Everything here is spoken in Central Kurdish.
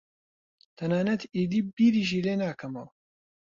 تەنانەت ئیدی بیریشی لێ ناکەمەوە.